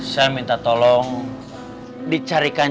saya minta tolong dicarikannya